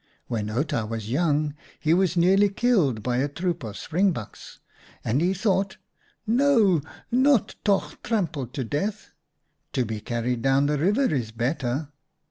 When Outa was young he was nearly killed by a troop of springbucks, and he thought, ' No, not toch trampled to death ; to be carried down the river is better.'